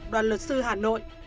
đoàn luật sư hà nội